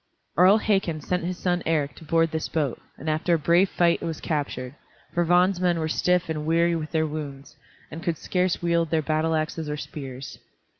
Earl Hakon sent his son Eric to board this boat, and after a brave fight it was captured, for Vagn's men were stiff and weary with their wounds, and could scarce wield their battle axes or spears.